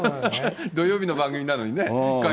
土曜日の番組なのにね、火曜日に。